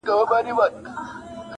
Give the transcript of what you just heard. سر تر نوکه لکه زرکه ښایسته وه!